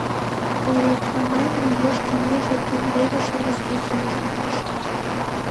Локамам лиеш кеҥеж эрден леве шӱлыш ден помыжалташ.